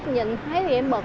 nhìn thấy thì em bật